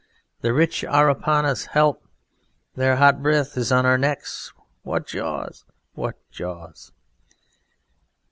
The Rich are upon us! Help! Their hot breath is on our necks! What jaws! What jaws!